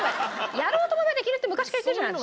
やろうと思えばできるって昔から言ってるじゃない私。